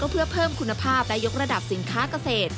เพื่อเพิ่มคุณภาพและยกระดับสินค้าเกษตร